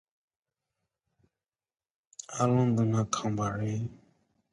Chin Peng became Ipoh District committee member of the Party.